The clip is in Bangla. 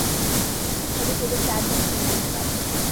তবে কেবল চারজনকে নিয়ে যেতে পারবে।